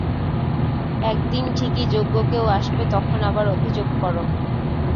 একদিন ঠিকই যোগ্য কেউ আসবে, তখন আবার অভিযোগ করো।